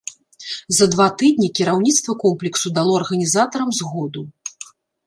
За два тыдні кіраўніцтва комплексу дало арганізатарам згоду.